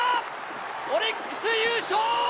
オリックス優勝！